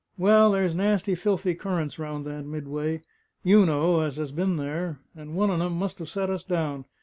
Well, there's nasty, filthy currents round that Midway; YOU know, as has been there; and one on 'em must have set us down.